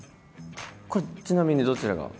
これちなみにどちらが？